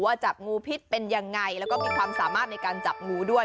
จับงูพิษเป็นยังไงแล้วก็มีความสามารถในการจับงูด้วย